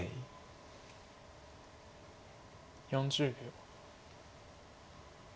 ４０秒。